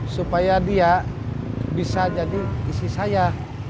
supaya dia bisa jadi istri saya